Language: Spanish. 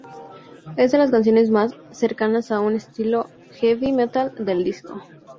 Es de las canciones más cercanas a un estilo Heavy metal del disco.